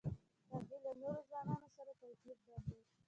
هغې له نورو ځوانانو سره توپیر درلود